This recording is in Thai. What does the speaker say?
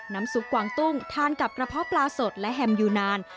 ซุปกวางตุ้งทานกับกระเพาะปลาสดและแฮมยูนาน